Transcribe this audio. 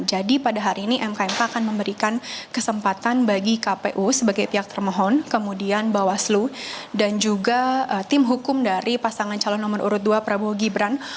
jadi pada hari ini mkmk akan memberikan kesempatan bagi kpu sebagai pihak termohon kemudian bawaslu dan juga tim hukum dari pasangan calon nomor urut dua prabowo gibran